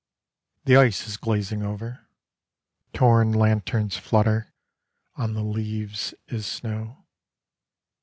The ice is glazing over, Tom lanterns flutter, On the leaves is snow.